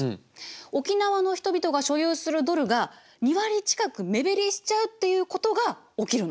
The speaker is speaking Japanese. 沖縄の人々が所有するドルが２割近く目減りしちゃうっていうことが起きるの。